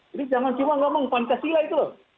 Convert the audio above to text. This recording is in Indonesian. jadi jangan cuma ngomong pancasila itu loh